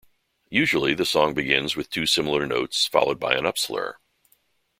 Usually the song begins with two similar notes followed by an upslur.